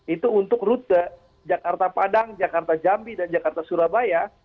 itu untuk rute jakarta padang jakarta jambi dan jakarta surabaya